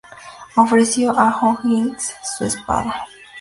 Ofreció a O´Higgins su espada.